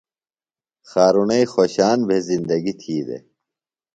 خارُݨئی خوشان بھےۡ زندگیۡ تھی دےۡ۔